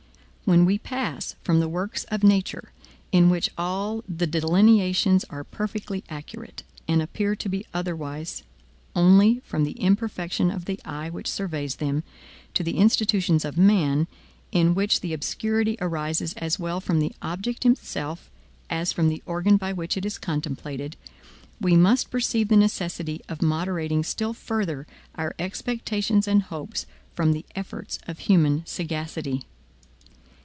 When we pass from the works of nature, in which all the delineations are perfectly accurate, and appear to be otherwise only from the imperfection of the eye which surveys them, to the institutions of man, in which the obscurity arises as well from the object itself as from the organ by which it is contemplated, we must perceive the necessity of moderating still further our expectations and hopes from the efforts of human sagacity.